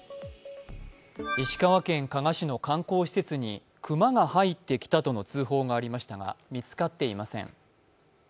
石川県加賀市の観光施設に熊が入ってきたとの通報がありましたが見つかっていません。